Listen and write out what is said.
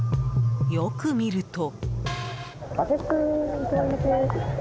よく見ると。